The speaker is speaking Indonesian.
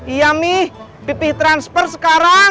iya mih pipih transfer sekarang